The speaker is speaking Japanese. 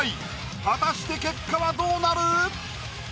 果たして結果はどうなる⁉